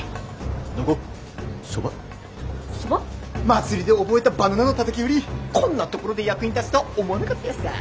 祭りで覚えたバナナのたたき売りこんなところで役に立つとは思わなかったヤッサー。